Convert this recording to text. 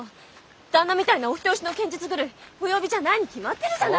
旦那みたいなお人よしの剣術狂いお呼びじゃないに決まってるじゃない！